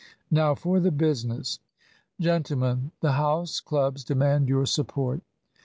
"Now for the business. Gentlemen, the house clubs demand your support."